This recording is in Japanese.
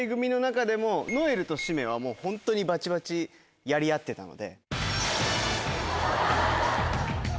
如恵留とシメはホントにバチバチやり合ってたので。